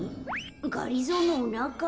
がりぞーのおなか？